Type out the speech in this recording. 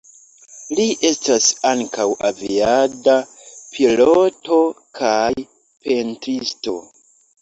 Li estas ankaŭ aviada piloto kaj pentristo.